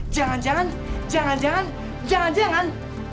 jangan jangan jangan jangan jangan jangan